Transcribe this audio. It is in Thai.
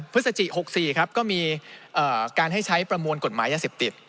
พฤศจิ๖๔ครับก็มีการให้ใช้ประมวลกฎหมายยาเสพติด